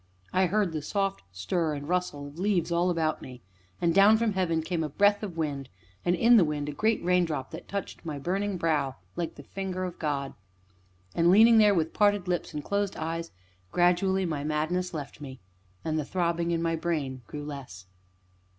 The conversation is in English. I heard the soft stir and rustle of leaves all about me, and down from heaven came a breath of wind, and in the wind a great raindrop that touched my burning brow like the finger of God. And, leaning there, with parted lips and closed eyes, gradually my madness left me, and the throbbing in my brain grew less.